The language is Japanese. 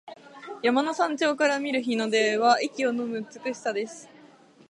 山の頂上から見る日の出は息をのむ美しさです。